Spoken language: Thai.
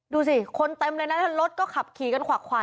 ดูสิคนเต็มเลยแล้วท่านรถก็ขับขี่กันฐักษ์ไข่อะ